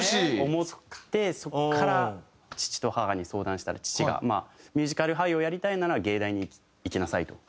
思ってそこから父と母に相談したら父がまあミュージカル俳優をやりたいなら藝大に行きなさいと。